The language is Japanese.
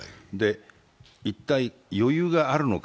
一体、余裕があるのか。